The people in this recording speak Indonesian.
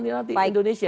nih nanti indonesia